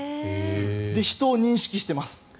人を認識してます。